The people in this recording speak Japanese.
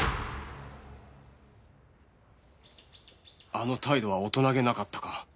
あの態度は大人げなかったか